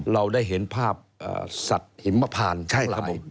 เราได้เห็นภาพสัตว์หิมพานทั้งหลาย